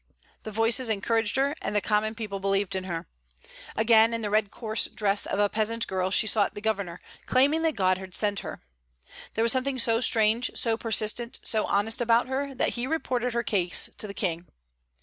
The voices encouraged her, and the common people believed in her. Again, in the red coarse dress of a peasant girl, she sought the governor, claiming that God had sent her. There was something so strange, so persistent, so honest about her that he reported her case to the King.